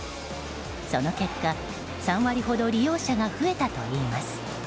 その結果、３割ほど利用者が増えたといいます。